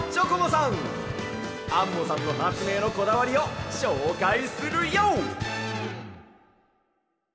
アンモさんのはつめいのこだわりをしょうかいするＹＯ！